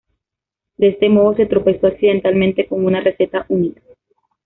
De este modo, se tropezó accidentalmente con una receta única.